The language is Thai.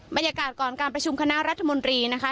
บรรยากาศก่อนการประชุมคณะรัฐมนตรีนะคะ